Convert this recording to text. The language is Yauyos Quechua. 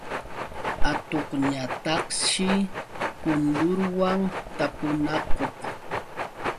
Atuqñataqshi kundurwan tapunakuq.